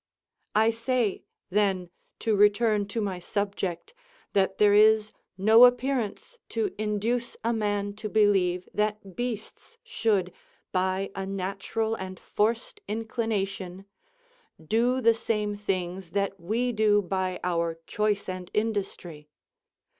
I say, then, to return to my subject, that there is no appearance to induce a man to believe that beasts should, by a natural and forced inclination, do the same things that we do by our choice and industry.